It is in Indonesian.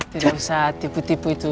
tidak usah tipu tipu itu